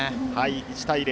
１対０。